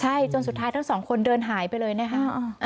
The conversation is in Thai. ใช่จนสุดท้ายทั้งสองคนเดินหายไปเลยนะคะ